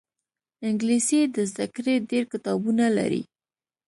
انګلیسي د زده کړې ډېر کتابونه لري